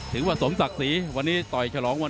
หรือว่าผู้สุดท้ายมีสิงคลอยวิทยาหมูสะพานใหม่